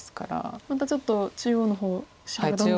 またちょっと中央の方白がどんどん。